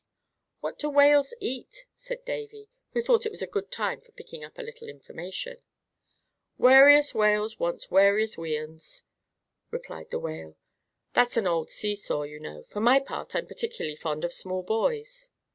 "What do whales eat?" said Davy, who thought it was a good time for picking up a little information. "Warious whales wants warious wiands," replied the Whale. "That's an old sea saw, you know. For my part I'm particularly fond of small buoys."